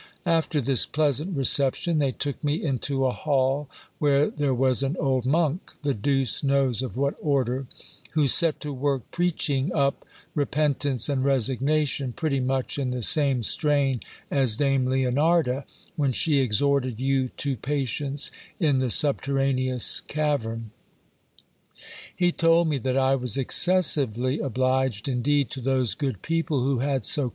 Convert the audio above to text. After this pleasant reception, they took me into a hall, where there was an old monk, the deuce knows of what order, who set to work preaching up repentance and resignation, pretty much in the same strain as Dame Leon arda, when she exhorted you to patience in the subterraneous cavern. He told me that I was excessively obliged indeed to those good people who had so 242 GIL BLAS.